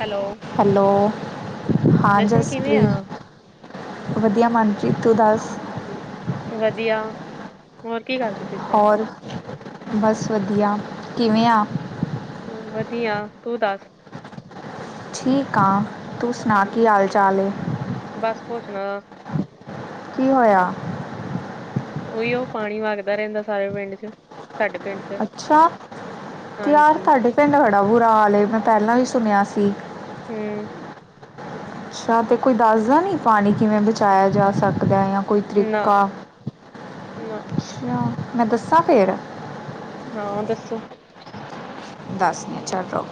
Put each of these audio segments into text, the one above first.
Hello hello, ਹਾਂ ਜਸ਼ਨ ਕਿਵੇਂ ਆ ਜਸਪ੍ਰੀਤ? ਵਧੀਆ ਮਨਪ੍ਰੀਤ ਤੂੂੂੂੂੂੂੂੂੂੰ ਦੱਸ? ਵਧੀਆ, ਹੋਰ ਕੀ ਕਰਦੇ ਪਏ ਸੀ ਹੋਰ, ਬਸ ਵਧੀਆ ਕਿਵੇਂ ਆ ਵਧੀਆ ਤੂੰ ਦੱਸ ਠੀਕ ਹਾਂ, ਤੂੰ ਸੁਣਾ ਕੀ ਹਾਲ ਚਾਲ ਏ? ਬਸ ਪੁੱਛ ਨਾ ਕੀ ਹੋਇਆ? ਉਹੀਉ ਨਾ ਉਹ ਪਾਣੀ ਵਗਦਾ ਰਹਿੰਦਾ ਸਾਰੇ ਪਿੰਡ ਚ, ਸਾਡੇ ਪਿੰਡ ਚ ਅੱਛਾ ਤੇ ਯਾਰ ਹਾਂਜੀ ਤੁਹਾਡੇ ਪਿੰਡ ਬੜਾਂ ਬੁਰਾ ਹਾਲ ਮੈਂ ਪਹਿਲਾਂ ਸੁਣਿਆ ਸੀ। ਫੇਰ, ਅੱਛਾ, ਤੇ ਕੋਈ ਦੱਸਦਾ ਨਈਂ ਪਾਣੀ, ਕਿਵੇਂ ਬਚਾਇਆ ਜਾ ਸਕਦਾ ਕੋਈ ਨਾ ਤਰੀਕਾ, ਨਾ ਅੱਛਾ ਮੈਂ ਦੱਸਾਂ ਫੇਰ। ਹਾਂ, ਦੱਸੋ? ਦੱਸ ਨੀ ਚੱਲ ਰੋ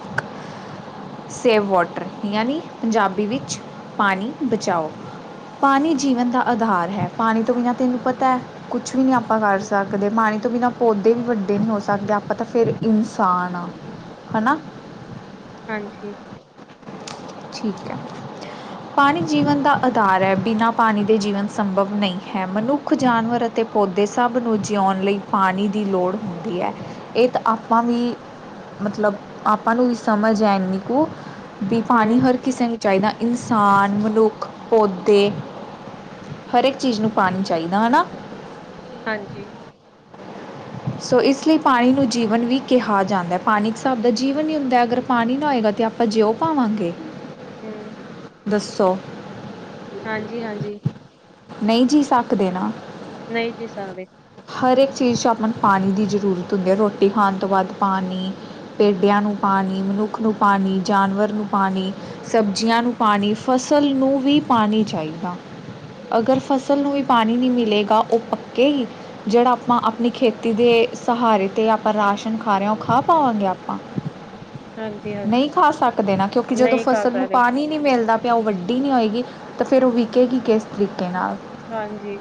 ਸੇਵ ਵੋਟਰ, ਯਾਨੀ ਪੰਜਾਬੀ ਵਿੱਚ ਪਾਨੀ ਬਚਾਓ। ਪਾਣੀ ਜੀਵਨ ਦਾ ਆਧਾਰ ਹੈ, ਪਾਣੀ ਤੋਂ ਬਿਨਾਂ, ਤੈਨੂੰ ਪਤਾ ਕੁਛ ਵੀ, ਨਹੀਂ ਆਪਾਂ ਕਰ ਹੂੰ, ਸਕਦੇ, ਪਾਣੀ ਤੋਂ ਬਿਨਾਂ ਪੌਦੇ ਵੀ ਵੱਡੇ ਹੋ ਸਕਦੇ ਹਾਂ, ਆਪਾਂ ਤਾਂ ਫੇਰ ਇਨਸਾਨ ਹਾਂ। ਹਾਂ-ਨਾ ਹਾਂਜੀ ਠੀਕ ਹੈ [inaudible] ਪਾਣੀ ਜੀਵਨ ਦਾ ਆਧਾਰ ਹੈ, ਬਿਨਾਂ ਪਾਣੀ ਦੇ ਜੀਵਨ ਸੰਭਵ ਨਹੀਂ ਹੈ, ਮਨੁੱਖ, ਜਾਨਵਰ ਤੇ ਪੌਦੇ ਸਭ ਨੂੰ, ਜਿਊਉਣ ਲਈ ਪਾਣੀ ਦੀ ਲੋੜ ਹੁੰਦੀ ਹੈ। ਇਹ ਤਾਂ ਆਪਾਂ ਵੀ ਮਤਲਬ ਆਪਾਂ ਨੂੰ ਵੀ ਸਮਝ ਹੈ, ਇੰਨੀ ਕੁ ਪਾਣੀ, ਹੂੰ ਹਰ ਕਿਸੇ ਨੂੰ ਚਾਹੀਦਾ, ਇਨਸਾਨ, ਮਨੁੱਖ, ਪੌਦੇ ਹਰੇਕ ਚੀਜ ਨੂੰ ਪਾਨੀ ਚਾਈਦਾ ਹਨਾ। ਹਾਂਜੀ। ਸੋ ਇਸ ਲੀ ਪਾਨੀ ਨੂੰ ਜੀਵਨ ਵੀ ਕੇਹਾ ਜਾਂਦੈ, ਪਾਨੀ ਇੱਕ ਹਿਸਾਬ ਦਾ ਜੀਵਨ ਈ ਹੁੰਦੈ, ਅਗਰ ਪਾਨੀ ਨਾ ਹੋਏਗਾ ਤਾਂ ਆਪ ਆਪਾ ਜੇਓ ਪਾਵਾਂਗੇ? ਹੂੰ। ਦੱਸੋ। ਹਾਂਜੀ, ਹਾਂਜੀ। ਨਈ ਜੀ ਸਾਕ ਦੇਨਾ। ਨਈ ਜੀ ਸਾਕਦੇ। ਹਰ ਏਕ ਚੀਜ਼ ਚ ਆਪਾਂ ਨੂੰ ਪਾਨੀ ਦੀ ਜ਼ਰੂਰਤ ਹੁੰਦੀ ਏ, ਰੋਟੀ ਖਾਨ ਤੋਂ ਬਾਦ ਪਾਨੀ ਪੇਡੇਆਂ ਨੂੰ ਪਾਨੀ, ਮਨੁੱਖ ਨੂੰ ਪਾਨੀ, ਜਾਨਵਰ ਨੂੰ ਪਾਨੀ ਸਬਜੀਆਂ ਨੂੰ ਪਾਨੀ, ਫਸਲ ਨੂੰ ਵੀ ਪਾਨੀ ਚਾਈਦਾ। ਅਗਰ ਫਸਲ ਨੂੰ ਵੀ ਪਾਨੀ ਨੀ ਮਿਲੇਗਾ ਓ ਪੱਕੇ ਗੀ? ਜੇੜਾ ਆਪਾਂ ਆਪਨੀ ਖੇਤੀ ਦੇ, ਸਹਾਰੇ ਤੇ ਆਪਾਂ ਰਾਸ਼ਨ ਖਾ ਰਏ ਆਂ ਓ ਖਾ ਪਾਵਾਂਗੇ ਆਪਾਂ? ਹਾਂਜੀ ਹਾਂਜੀ ਨਈ ਖਾ ਸਕਦੇ ਨਾ, ਕੇਓਕਿ ਜਦੋਂ ਨਹੀਂ ਖਾ ਫਸਲ ਨੂੰ ਸਕਦੇ ਪਾਨੀ ਨੀ ਮੇਲਨਾ ਤੇ ਓ ਵੱਡੀ ਨਈ ਹੋਏਗੀ, ਤੇ ਫੇਰ ਓ ਵਿਕੇਗੀ ਕੇਸ ਤਰੀਕੇ ਨਾਲ? ਹਾਂਜੀ।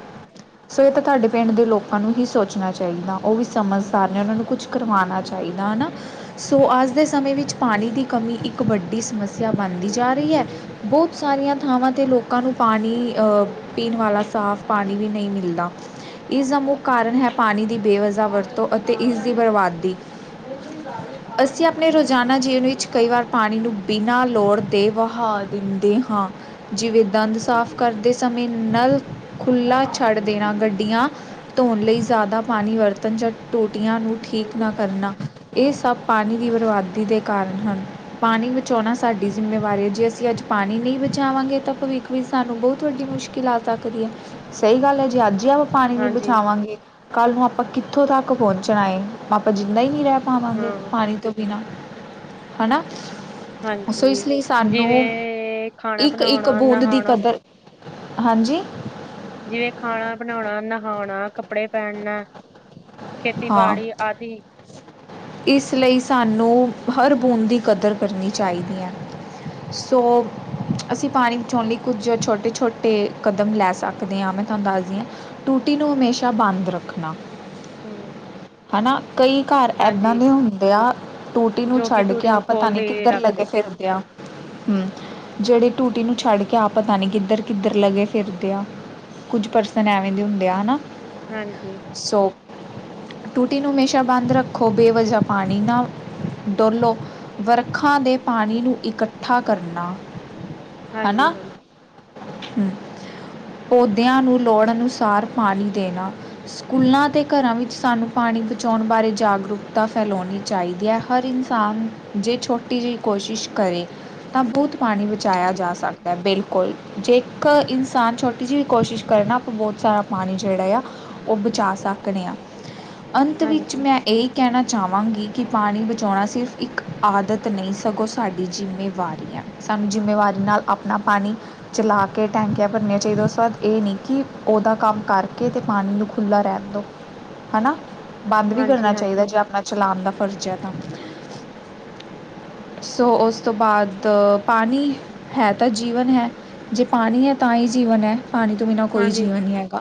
ਸੋ ਐ ਤਾਂ ਤਾਆਡੇ ਪੇਂਡ ਦੇ ਲੋਕ ਓਨਾਂ ਨੂੰ ਵੀ ਸੋਚਨਾ ਚਾਈਦਾ, ਓ ਵੀ ਸਮਝਦਾਰ ਨੇ ਓਨਾਂ ਨੂੰ ਕੁਛ ਕਰਵਾਨਾ ਚਾਈਦਾ ਹੈਨਾ। ਸੋ ਆਜ ਦੇ ਸਮੇਂ ਵਿੱਚ ਪਾਨੀ ਦੀ ਕਮੀ, ਇੱਕ ਵੱਡੀ ਸਮੱਸੇਆ ਬਾਨਦੀ ਜਾ ਰੀ ਐ ਬੋਤ ਸਾਰੀਆਂ ਥਾਵਾਂ 'ਤੇ ਲੋਕਾਂ ਨੂੰ ਪਾਣੀ ਅ, ਪੀਣ ਵਾਲਾ ਸਾਫ਼ ਪਾਣੀ ਵੀ ਨਈ ਮਿਲਦਾ। ਇਸ ਦਾ ਮੁੱਖ ਕਾਰਨ ਹੈ, ਪਾਨੀ ਦੀ ਬੇਵਜ਼ਾ ਵਰਤੋਂ ਅਤੇ ਇਸ ਦੀ ਬਰਬਾਦੀ। [unintelligible] ਅਸੀਂ ਆਪਨੇ ਰੋਜ਼ਾਨਾ ਜੀਵਨ ਵਿੱਚ ਕਈ ਵਾਰ ਪਾਣੀ ਨੂੰ, ਬਿਨਾਂ ਲੋੜ ਦੇ ਵਹਾ ਦਿੰਦੇ ਹਾਂ। ਜਿਵੇਂ ਦੰਦ ਸਾਫ਼ ਕਰਦੇ ਸਮੇਂ ਨਲ ਖੁੱਲਾ ਛੱਡ ਦੇਨਾ, ਗੱਡੀਆਂ ਧੋਨ ਲਈ ਜ਼ਿਆਦਾ ਪਾਨੀ ਵਰਤਣ ਜਾਂ ਟੂਟੀਆਂ ਨੂੰ ਠੀਕ ਨਾ ਕਰਨਾ। ਏ ਸਬ ਪਾਨੀ ਦੀ ਬਰਬਾਦੀ ਦੇ ਕਾਰਨ ਹਨ। ਪਾਨੀ ਬਚਾਓਨਾ ਸਾਡੀ ਜਿੰਮੇਵਾਰੀ ਏ, ਜੇ ਅਸੀ ਅੱਜ ਪਾਨੀ ਨਈ ਬਚਾਵਾਂਗੇ ਤਾਂ ਭਵਿੱਖ ਵੀ ਸਾਨੂੰ ਬੋਤ ਵੱਡੀ ਮੁਸ਼ਕਿਲ ਆ ਸਕਦੀ ਆ, ਸਈ ਗੱਲ ਐ ਜੇ ਆੱਜ ਆਜ ਆਓ ਪਾਣੀ ਨੀ ਹਾਂਜੀ ਬਚਾਵਾਂਗੇ ਕੱਲ ਨੂੰ ਆਪਾਂ ਕਿੱਥੋਂ ਤੱਕ ਪੋਂਚਣਾ ਏ, ਆਪਾਂ ਜਿੰਦਾ ਈ ਨੀ ਰੈ ਪਾਵਾਂਗੇ ਹਾਂ ਪਾਣੀ ਤੋਂ ਬਿਨਾਂ, ਹਣਾ, ਹਾਂਜੀ ਸੋ ਇਸ ਲਈ ਸਾਨੂੰ ਜਿਵੇਂ ਖਾਣਾ ਇੱਕ, ਇੱਕ ਬਣਾਉਣਾ ਬੂੰਦ ਦੀ ਨਹਾਉਣਾ ਕਦਰ ਹਾਂਜੀ ਜਿਵੇਂ ਖਾਣਾ ਬਣੌਣਾ ਨਹਾਓਣਾ ਕੱਪੜੇ ਪੇਨਣਾ ਹਾਂ ਖੇਤੀਬਾੜੀ ਆਦਿ ਇਸ ਲਈ ਸਾਨੂੰ, ਹਰ ਬੂੰਦ ਦੀ ਕਦਰ ਕਰਨੀ ਚਾਈਦੀ ਐ। ਸੋ, ਅਸੀਂ ਪਾਣੀ ਬਚਾਣ ਲਈ ਕੁਝ ਛੋਟੇ-ਛੋਟੇ ਕਦਮ ਲੈ ਸਕਦੇ। ਸਕਦੇ ਹਾਂ, ਮੈਂ ਤੁਹਾਨੂੰ ਦੱਸਦੀ ਆਂ, ਹਾਂ ਟੂਟੀ ਨੂੰ ਹਮੇਸ਼ਾ ਬੰਦ ਰੱਖਣਾ। ਹੂੰ, ਹੈਨਾ, ਕਈ ਘਰ ਏਦਾਂ ਹਾਂਜੀ ਦੇ ਹੁੰਦੇ ਆ। ਟੂਟੀ ਨੂੰ ਜੋ ਕਿ ਛੱਡ ਕੇ ਟੂਟੀ ਨੂੰ ਆਪ ਪਤਾ ਨੀ ਖੋਲਦੇ ਕਿੱਦਰ ਲੱਗੇ ਰੱਖਦੇ ਫਿਰਦੇ ਆ, ਹੂੰ। ਜੇੜੇ ਟੂਟੀ ਨੂੰ ਛੱਡ ਕੇ ਆਪ ਪਤਾ ਨੀ ਕਿੱਦਰ, ਕਿੱਦਰ ਲੱਗੇ ਫਿਰਦੇ ਆ। ਕੁਛ ਪਰਸਨ ਐਵੇਂ ਦੇ ਹੁੰਦੇ ਆ, ਹੈਨਾ। ਹਾਂਜੀ। ਸੋ ਟੂਟੀ ਨੂੰ ਹਮੇਸ਼ਾ ਬਾੰਦ ਰੱਖੋ, ਬੇਵਜਾ ਪਾਣੀ ਨਾ ਡੋਲੋ, ਵਰਖਾਂ ਦੇ ਪਾਣੀ ਨੂੰ ਇਕੱਠਾ ਕਰਨਾ ਹਨਾ, ਹਾਂਜੀ, ਹਾਂ ਹੂੰ। ਪੌਦੇਆਂ ਨੂੰ ਲੋੜ ਅਨੁਸਾਰ ਪਾਨੀ ਦੇਨਾ, ਸੁਕੂਲਾਂ ਤੇ ਘਰਾਂ ਵਿੱਚ ਸਾਨੂੰ ਪਾਣੀ ਬਚਾਓਨ ਬਾਰੇ ਜਾਗਰੂਕਤਾ ਫੈਲੋਨੀ ਚਾਈਦੀ ਐ, ਹਰ ਇਨਸਾਨ ਜੇ ਛੋਟੀ ਜਿਹੀ ਕੋਸ਼ਿਸ਼ ਕਰੇ, ਤਾਂ ਬਹੁਤ ਪਾਣੀ ਬਚਾਇਆ ਜਾ ਸਕ ਹਾ ਬਿਲਕੁਲ, ਜੇ ਇੱਕ ਇਨਸਾਨ ਛੋਟੀ ਜਿਹੀ ਕੋਸ਼ਿਸ਼ ਕਰੇ ਨਾ, ਆਪਾਂ ਬਹੁਤ ਸਾਰਾ ਪਾਣੀ ਜਿਹੜਾ ਆ ਉਹ ਬਚਾ ਸਕਨੇ ਆ, ਅੰਤ ਵਿੱਚ ਹਾਂਜੀ, ਮੈਂ ਇਹ ਕਹਿਣਾ ਚਾਹਵਾਂਗੀ, ਕਿ ਪਾਣੀ ਬਚਾਣਾ ਸਿਰਫ ਇੱਕ ਆਦਤ ਨਹੀਂ ਸਗੋਂ ਸਾਡੀ ਜ਼ਿੰਮੇਵਾਰੀ ਹੈ। ਸਾਨੂੰ ਜ਼ਿੰਮੇਵਾਰੀ ਨਾਲ ਆਪਣਾ ਪਾਣੀ ਚਲਾ ਕੇ ਟੈਂਕੀਆਂ ਭਰਨੀਆਂ ਚਾਹੀਦੀਆਂ, ਉਸ ਬਾਅਦ ਇਹ ਨਹੀਂ ਕਿ ਉਹਦਾ ਕੰਮ ਕਰਕੇ ਅਤੇ ਪਾਣੀ ਨੂੰ ਖੁੱਲ੍ਹਾ ਰਹਿਣ ਦੋ। ਹੈਨਾ, ਬੰਦ ਵੀ ਕਰਨਾ ਹਾਂਜੀ, ਹਾਂ ਚਾਹੀਦਾ, ਜੇ ਆਪਣਾ ਚਲਾਣ ਦਾ ਫਰਜ਼ ਹੈ ਤਾਂ ਸੋ ਉਸ ਤੋਂ ਬਾਅਦ ਪਾਣੀ, ਹੈ ਤਾਂ ਜੀਵਨ ਹੈ। ਜੇ ਪਾਣੀ ਹੈ, ਤਾਂ ਹੀ ਜੀਵਨ ਹੈ। ਪਾਣੀ ਤੋਂ ਬਿਨਾਂ ਕੋਈ ਹਾਂਜੀ, ਜੀਵਨ ਨੀ ਹੈਗਾ,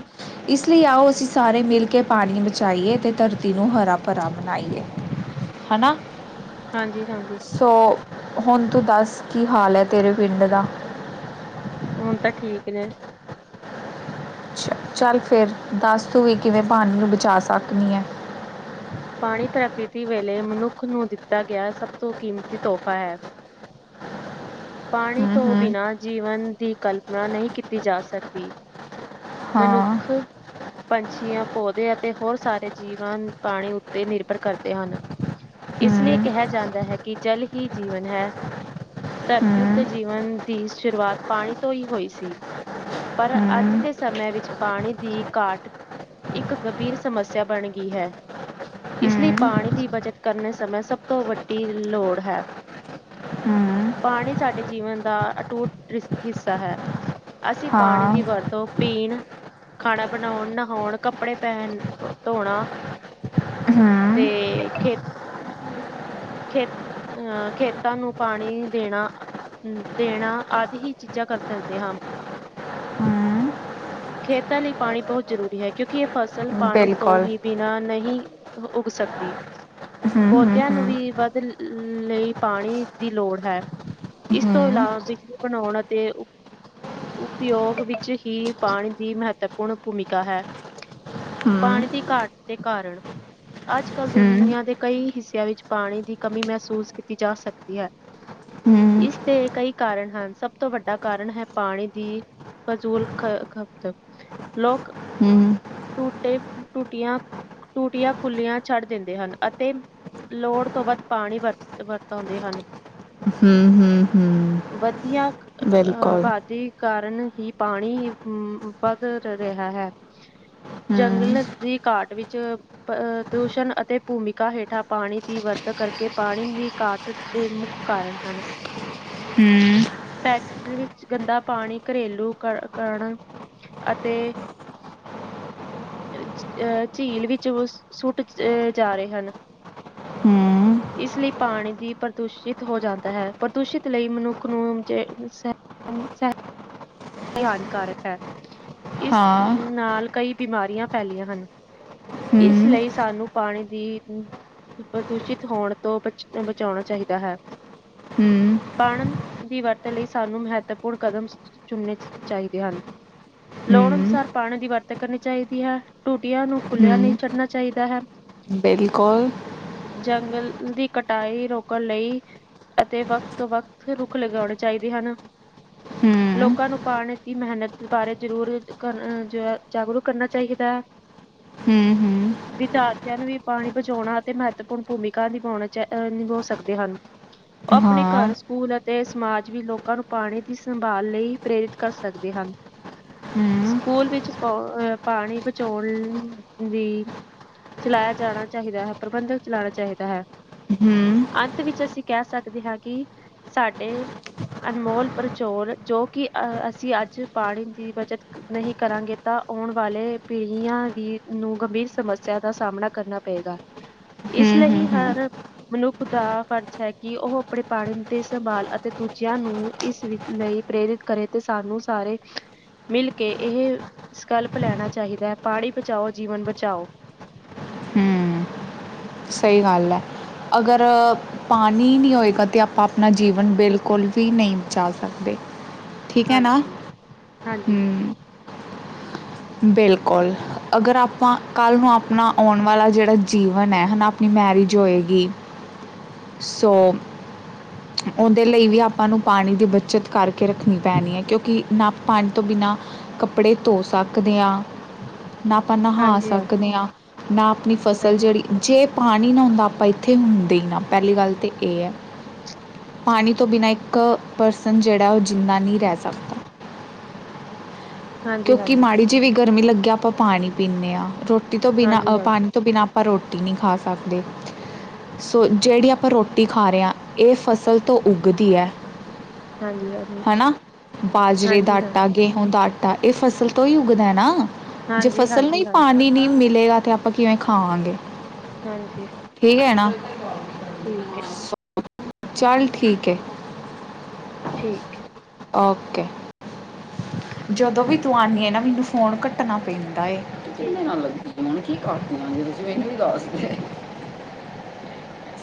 ਇਸ ਲਈ ਆਓ ਅਸੀਂ ਸਾਰੇ ਮਿਲ ਕੇ ਪਾਣੀ ਵਿੱਚ ਬਚਾਈਏ, ਤੇ ਧਰਤੀ ਨੂੰ ਹਰਾ ਭਰਾ ਬਨਾਈਏ, ਹੈ ਨਾ, ਹਾਂਜੀ-ਹਾਂਜੀ, ਸੋ ਹੁਣ ਤੂੰ ਦੱਸ, ਕੀ ਹਾਲ ਹੈ, ਤੇਰੇ ਪਿੰਡ ਦਾ ਹੁਣ ਤੇ ਠੀਕ ਨੇ, ਅੱਛਾ-ਚੱਲ ਫਿਰ, ਦੱਸ ਤੁੰ ਵੀ ਕਿਵੇਂ ਪਾਣੀ ਨੂੰ ਬਚਾ ਸਕਦੀ ਆ। ਪਾਣੀ ਪ੍ਰਕ੍ਰਿਤੀ ਵਲੋ, ਮਨੁੱਖ ਨੂੰ ਦਿੱਤਾ ਗਿਆ, ਸਭ ਤੋਂ ਕੀਮਤੀ ਤੋਹਫ਼ਾ ਹੈ। [unintelligible] ਪਾਣੀ ਹੂੰ ਤੋਂ ਹੂੰ ਬਿਨਾਂ ਜੀਵਨ ਦੀ ਕਲਪਨਾ ਨਹੀਂ ਕੀਤੀ ਜਾ ਸਕਦੀ। ਹਾਂ ਮਨੁੱਖ, ਪੰਛੀਆਂ ਪੌਦੇ ਅਤੇ ਹੋਰ ਸਾਰੇ ਜੀਵਾਂ ਨੂੰ ਪਾਣੀ, ਤੇ ਨਿਰਭਰ ਕਰਦੇ ਹਨ, ਇਸ ਲਈ ਹੂੰ ਕਿਹਾ ਜਾਂਦਾ ਹੈ, ਕਿ ਜਲ ਹੀ ਜੀਵਨ ਹੈ। ਧਰਤੀ ਉੱਤੇ ਹੂੰ ਜੀਵਨ ਦੀ ਸ਼ੁਰੂਆਤ, ਪਾਣੀ ਤੋਂ ਹੀ ਹੋਈ ਸੀ। ਪਰ ਅੱਜ ਹੂੰ ਦੇ ਸਮੇਂ ਵਿੱਚ ਪਾਣੀ ਦੀ ਘਾਟ ਇੱਕ ਗੰਭੀਰ ਸਮੱਸਿਆ ਬਣ ਗਈ ਹੈ। ਇਸ ਲਈ ਹੂੰ ਪਾਣੀ ਦੀ ਬੱਚਤ ਕਰਨੇ ਸਮਯ, ਸਭ ਤੋਂ ਵੱਡੀ ਲੋੜ ਹੈ। ਹੂੰ, ਪਾਣੀ ਸਾਡੇ ਜੀਵਨ ਦਾ ਅਟੂਟ ਹਿੱਸਾ ਹੈ, ਅਸੀਂ ਪਾਣੀ ਹਾਂ ਦੀ ਵਰਤੋਂ ਪੀਣ, ਖਾਣਾ ਬਣਾਣ, ਨਹਾਣਾ, ਕੱਪੜੇ ਪਹਿਨ ਧੋਣਾ, ਤੇ ਹੂੰ ਖੇਤ ਖੇਤ, ਅਹ ਖੇਤਾਂ ਨੂੰ ਪਾਣੀ ਦੇਣਾ। ਹ ਦੇਣਾ, ਆਦਿ ਹੀ ਚੀਜ਼ਾਂ ਕਰ ਸਕਦੇ ਹਾਂ। ਹੂੰ, ਖੇਤਾਂ ਲਈ ਪਾਣੀ ਬਹੁਤ ਜ਼ਰੂਰੀ ਹੈਂ। ਕਿਉਂਕਿ ਇਹ ਫਸਲ, ਪਾਣੀ ਤੋਂ ਬਿਲਕੁਲ ਹੀ ਬਿਨਾਂ ਨਹੀਂ ਉਗ ਸਕਦੀ। ਹੂੰ ਹੂੰ ਪੌਦਿਆਂ ਨੂੰ ਹੂੰ ਵੀ, ਵਧਣ ਲਈ ਪਾਣੀ ਦੀ ਲੋੜ ਹੈ। ਇਸ ਤੋਂ ਹੂੰ ਇਲਾਵਾ ਬਿਜਲੀ ਬਣਾਉਣ ਅਤੇ ਉਪਯੋਗ ਵਿੱਚ ਹੀ ਪਾਣੀ ਦੀ ਮਹੱਤਵਪੂਰਨ ਭੂਮਿਕਾ ਹੈ। ਹੂੰ ਹੂੰ ਪਾਣੀ ਦੀ ਘਾਟ ਦੇ ਕਾਰਨ ਅੱਜ ਕੱਲ੍ਹ ਹੂੰ ਦੁਨੀਆਂ ਦੇ ਕਈ ਹਿੱਸਿਆਂ ਵਿੱਚ ਪਾਣੀ ਦੀ ਕਮੀ ਮਹਿਸੂਸ ਕੀਤੀ ਜਾ ਸਕਦੀ ਹੈ ਹੂੰ ਇਸਦੇ ਕਈ ਕਾਰਨ ਹਨ ਸਭ ਤੋਂ ਵੱਡਾ ਕਾਰਨ ਹੈ ਪਾਣੀ ਦੀ ਫਜ਼ੂਲ ਖਪਤ ਲੋਕ ਹੂੰ ਟੂਟੇ ਟੂਟੀਆਂ ਟੂਟੀਆਂ ਖੁੱਲੀਆਂ ਛੱਡ ਦਿੰਦੇ ਹਨ ਅਤੇ ਲੋੜ ਤੋਂ ਵੱਧ ਪਾਣੀ ਵਰ ਵਰਤਾਉਂਦੇ ਹਨ। ਹੂ ਹੂ ਹੂ ਵਧੀਆ ਅਬਾਦੀ ਕਾਰਨ ਹੀ, ਪਾਣੀ ਅਮ ਵਧ ਰਿਹਾ ਹੈ। ਹੂੰ ਜੰਗਲ ਦੀ ਘਾਟ ਵਿੱਚ ਪ੍ਰਦੂਸ਼ਣ ਅਤੇ ਭੂਮਿਕਾ ਹੇਠਾਂ ਪਾਣੀ ਦੀ ਵਰਤੋ ਕਰਕੇ, ਪਾਣੀ ਦੀ ਘਾਟ ਦੇ ਮੁੱਖ ਕਾਰਨ ਹਨ। ਹੂ ਫੈਕਟਰੀ ਵਿੱਚ ਗੰਦਾ ਪਾਣੀ, ਘਰੇਲੂ ਕਰਨ ਅਤੇ ਅਹ ਝੀਲ ਵਿੱਚ, ਉਹ ਸੁੱਟ ਜਾ ਰਹੇ ਹਨ ਹੂੰ ਇਸ ਲਈ ਪਾਣੀ ਦੀ ਪ੍ਰਦੂਸ਼ਿਤ ਹੋ ਜਾਂਦਾ ਹੈ, ਪ੍ਰਦੂਸ਼ਿਤ ਲਈ ਮਨੁੱਖ ਨੂੰ ਜ ਹਾਨੀਕਾਰਕ ਹੈ ਇਸ ਹਾਂ ਨਾਲ ਕਈ ਬਿਮਾਰੀਆਂ ਫੈਲੀਆਂ ਹਨ ਇਸ ਹੂੰ ਲਈ ਸਾਨੂੰ ਪਾਣੀ ਦੀ ਪ੍ਰਦੂਸ਼ਿਤ ਹੋਣ ਤੋਂ ਬਚ ਬਚਾਉਣਾ ਚਾਹੀਦਾ ਹੈ ਹਮ ਪਾਣੀ ਦੀ ਵਰਤੋ ਲਈ ਸਾਨੂੰ ਮਹੱਤਵਪੂਰਨ ਕਦਮ ਚੁਣਨੇ ਚਾਹੀਦੇ ਹਨ ਲੋੜ ਅਨੁਸਾਰ ਪਾਣੀ ਦੀ ਵਰਤੋਂ ਕਰਨੀ ਚਾਹੀਦੀ ਹੈ, ਟੂਟੀਆਂ ਨੂੰ ਖੁੱਲ੍ਹਿਆ ਨਹੀਂ ਛੱਡਣਾ ਚਾਹੀਦਾ ਹੈ ਬਿਲਕੁਲ ਜੰਗਲ ਦੀ ਕਟਾਈ ਰੋਕਣ ਲਈ ਅਤੇ ਵਕਤ ਤੋਂ ਵਕਤ ਰੁੱਖ ਲਗਾਉਣੇ ਚਾਹੀਦੇ ਹਨ [inaudible] [inaudible] ਲੋਕਾਂ ਨੂੰ ਪਾਉਣ ਦੀ ਮਿਹਨਤ ਬਾਰੇ ਜ਼ਰੂਰ ਜਾਗਰੂਕ ਕਰਨਾ ਚਾਹੀਦਾ ਹੈ [inaudible] [inaudible] ਹੂੰ, ਵਿਦਿਆਰਥੀਆਂ ਨੂੰ ਵੀ ਪਾਣੀ ਬਚਾਉਣਾ ਤੇ ਮਹੱਤਵਪੂਰਨ ਭੂਮਿਕਾ ਨਿਭਾਉਣਾ ਚਹ ਨਿਭਾ ਸਕਦੇ ਹਨ ਉਹ ਆਪਣੇ ਘਰ, ਹਾਂ, ਸਕੂਲ ਅਤੇ ਸਮਾਜ ਵੀ ਲੋਕਾਂ ਨੂੰ ਪਾਣੀ ਦੀ ਸੰਭਾਲ ਲਈ ਪ੍ਰੇਰਿਤ ਕਰ ਸਕਦੇ ਹਨ [inaudible] [inaudible] ਸਕੂਲ ਵਿੱਚ ਪ ਅਹ ਪਾਣੀ ਬਚਾਉਣ ਦੀ ਚਲਾਇਆ ਜਾਣਾ ਚਾਹੀਦਾ ਹੈ ਪ੍ਰਬੰਧਕ ਚਲਾਉਣਾ ਚਾਹੀਦਾ ਹੈ ਹੂੰ, ਹੂੰ, ਅੰਤ ਵਿੱਚ ਅਸੀਂ ਕਹਿ ਸਕਦੇ ਹਾਂ ਕਿ ਸਾਡੇ ਅਨਮੋਲ ਪਰਚੋਲ ਜੋ ਕਿ ਅਸੀਂ ਅੱਜ ਪਾਣੀ ਦੀ ਬੱਚਤ ਨਹੀਂ ਕਰਾਂਗੇ ਤਾਂ ਆਉਣ ਵਾਲੇ ਪੀੜੀਆਂ ਵੀ ਨੂੰ ਗੰਭੀਰ ਸਮੱਸਿਆ ਦਾ ਸਾਹਮਣਾ ਕਰਨਾ ਪਏਗਾ ਇਸ ਹੂੰ, ਲਈ ਹੂੰ, ਹਰ ਮਨੁੱਖ ਦਾ ਫਰਜ਼ ਹੈ ਕਿ ਉਹ ਆਪਣੇ ਪਾਣੀ ਦੇ ਸੰਭਾਲ ਅਤੇ ਦੂਜਿਆਂ ਨੂੰ ਇਸ ਵਿੱਚ ਲਈ ਪ੍ਰੇਰਿਤ ਕਰੇ ਤੇ ਸਾਨੂੰ ਸਾਰੇ ਮਿਲ ਕੇ ਇਹ ਸੰਕਲਪ ਲੈਣਾ ਚਾਹੀਦਾ ਹੈ, ਪਾਣੀ ਬਚਾਓ ਜੀਵਨ ਬਚਾਓ ਹਮ ਸਹੀ ਗੱਲ ਹੈ, ਅਗਰ ਪਾਣੀ ਨਹੀਂ ਹੋਏਗਾ ਅਤੇ ਆਪਾਂ ਆਪਣਾ ਜੀਵਨ ਬਿਲਕੁਲ ਵੀ ਨਹੀਂ ਬਚਾ ਸਕਦੇ ਠੀਕ ਹੈ ਨਾ, ਹਾਂਜੀ, ਹਾਂਜੀ। ਹਮ ਬਿਲਕੁਲ ਅਗਰ ਆਪਾਂ ਕੱਲ੍ਹ ਨੂੰ ਆਪਣਾ ਆਉਣ ਵਾਲਾ ਜਿਹੜਾ ਜੀਵਨ ਹੈ ਹਨਾ- ਆਪਣੀ ਮੈਰਿਜ ਹੋਏਗੀ, ਸੋ ਉਹਦੇ ਲਈ ਵੀ ਆਪਾਂ ਨੂੰ ਪਾਣੀ ਦੀ ਬੱਚਤ ਕਰਕੇ ਰੱਖਣੀ ਪੈਣੀ ਹੈ ਕਿਉਂਕਿ ਨਾ ਪਾਣੀ ਤੋਂ ਬਿਨਾਂ ਕੱਪੜੇ ਧੋ ਸਕਦੇ ਆ। ਨਾ ਆਪਾਂ ਨਹਾ ਹਾਂਜੀ ਹਾਂ, ਸਕਦੇ ਆ, ਨਾ ਆਪਣੀ ਹਾਂ, ਫਸਲ ਜਿਹੜੀ ਜੇ ਪਾਣੀ ਨਾ ਹੁੰਦਾ ਆਪਾਂ ਇੱਥੇ ਹੁੰਦੇ ਹੀ ਨਾ ਪਹਿਲੀ ਗੱਲ ਤਾਂ ਇਹ ਹੈ। ਪਾਣੀ ਤੋਂ ਬਿਨਾਂ ਇੱਕ ਪਰਸਨ ਜਿਹੜਾ ਉਹ ਜਿੰਦਾ ਨਹੀਂ ਰਹਿ ਸਕਦਾ। ਹਾਂਜੀ, ਕਿਉਂਕਿ ਹਾਂਜੀ, ਮਾੜੀ ਜਿਹੀ ਵੀ ਗਰਮੀ ਲੱਗਿਆ ਆਪਾਂ ਪਾਣੀ ਪੀਂਦੇ ਹਾਂ ਰੋਟੀ ਤੋਂ ਬਿਨਾਂ ਹਾਂਜੀ, ਹਾਂ, ਪਾਣੀ ਤੋਂ ਬਿਨਾਂ ਆਪਾਂ ਰੋਟੀ ਨਹੀਂ ਖਾ ਸਕਦੇ ਸੋ ਜਿਹੜੀ ਆਪਾਂ ਰੋਟੀ ਖਾ ਰਹੇ ਹਾਂ ਇਹ ਫਸਲ ਤੋਂ ਉੱਗਦੀ ਹੈ ਹਾਂਜੀ, ਹਾਂਜੀ, ਹਨਾ, ਬਾਜਰੇ ਦਾ ਹਾਂਜੀ, ਹਾਂ, ਆਟਾ, ਗੇਹੂੰ ਦਾ ਆਟਾ ਤਾਂ ਇਹ ਫਸਲ ਤੋਂ ਹੀ ਉੱਗਦਾ ਨਾ, ਜੇ ਹਾਂਜੀ, ਫਸਲ ਨੂੰ ਹੀ ਹਾਂਜੀ, ਹਾਂ, ਪਾਣੀ ਨਹੀਂ ਮਿਲੇਗਾ ਤਾਂ ਆਪ ਆਪਾਂ ਕਿਵੇਂ ਖਾਵਾਂਗੇ ਹਾਂਜੀ ਠੀਕ ਹੈ ਨਾ ਠੀਕ ਏ ਚੱਲ ਠੀਕ ਹੈ ਠੀਕ ਹੈ ਓਕੇ, ਜਦੋਂ ਵੀ ਤੂੰ ਆਨੀ ਏ ਨਾ ਮੈਨੂੰ ਫੋਨ ਕੱਟਣਾ ਪੈਂਦਾ ਏ, ਠੀਕ ਕਿੰਨੇ ਨਾਲ ਲੱਗੀ ਹੁਣ ਕੀ ਕਰਦੀਆ ਜੇ ਤੁਸੀਂ ਮੈਨੂੰ ਵੀ ਦੱਸਦੇ।